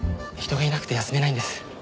人がいなくて休めないんです。